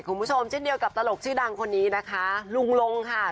คุณผู้ชมเช่นเดียวกับตลกชื่อดังคนนี้นะคะลุงลงค่ะ